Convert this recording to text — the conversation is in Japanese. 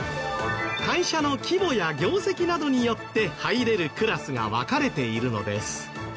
会社の規模や業績などによって入れるクラスが分かれているのです。